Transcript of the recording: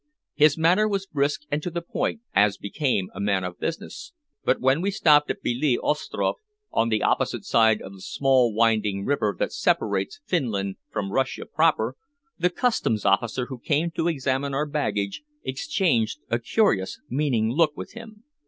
His manner was brisk and to the point, as became a man of business, but when we stopped at Bele Ostrof, on the opposite side of the small winding river that separates Finland from Russia proper, the Customs officer who came to examine our baggage exchanged a curious meaning look with him.